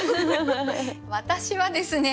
私はですね